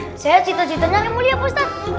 saya cita citanya yang mulia pak ustadz